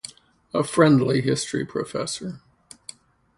A friendly history professor.